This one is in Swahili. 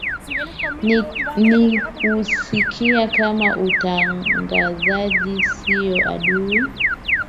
nikusikia kama utangazaji sio adui